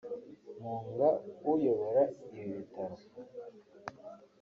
Mpunga uyobora ibi bitaro